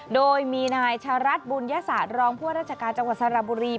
โดยมีนายชะรัฐบุญยศาสตร์รองผู้ว่าราชการจังหวัดสระบุรี